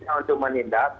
bisa untuk menindak